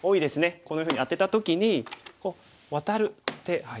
こんなふうにアテた時にワタる手。